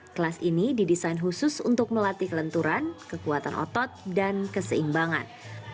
kelas ini didesain khusus untuk melatih kelenturan kekuatan otot dan keseimbangan